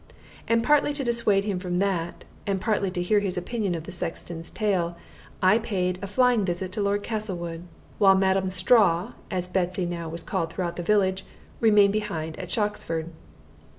And partly to dissuade him from that, and partly to hear his opinion of the sexton's tale, I paid a flying visit to Lord Castlewood; while "Madam Straw," as Betsy now was called throughout the village, remained behind at Shoxford.